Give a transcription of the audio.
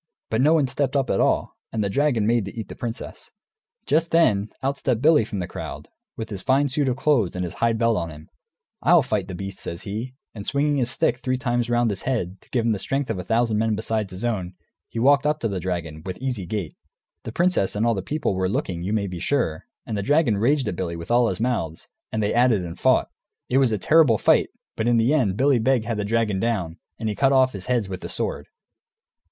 But no one stepped up, at all. And the dragon made to eat the princess. Just then, out stepped Billy from the crowd, with his fine suit of clothes and his hide belt on him. "I'll fight the beast," he says, and swinging his stick three times round his head, to give him the strength of a thousand men besides his own, he walked up to the dragon, with easy gait. The princess and all the people were looking, you may be sure, and the dragon raged at Billy with all his mouths, and they at it and fought. It was a terrible fight, but in the end Billy Beg had the dragon down, and he cut off his heads with the sword.